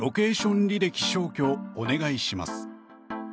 履歴消去お願いします。